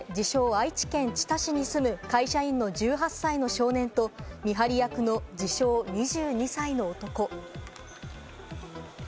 愛知県知多市に住む会社員の１８歳の少年と、見張り役の自称２２歳の男。